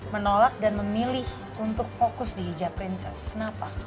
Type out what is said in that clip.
menolak dan memilih untuk fokus di hijab princess kenapa